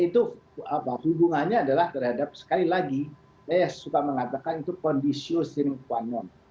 itu hubungannya adalah terhadap sekali lagi saya suka mengatakan itu kondisius sinquanon